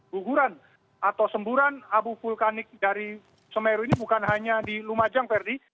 guguran atau semburan abu vulkanik dari semeru ini bukan hanya di lumajang ferdi